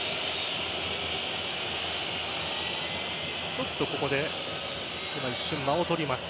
ちょっとここで一瞬、間を取ります。